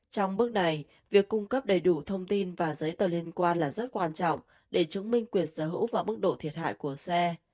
trong bước này việc cung cấp đầy đủ thông tin và giấy tờ liên quan là rất quan trọng để chứng minh quyền sở hữu và mức độ thiệt hại của xe